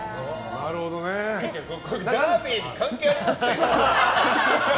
ダービーに関係あります？